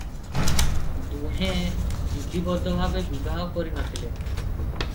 ଦୁହେଁ ବିଧିବଦ୍ଧ ଭାବେ ବିବାହ କରିନଥିଲେ ।